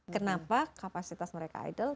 kenapa kapasitas mereka ideal